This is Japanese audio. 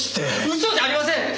嘘じゃありません！